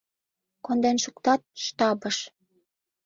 Конден шуктат «штабыш».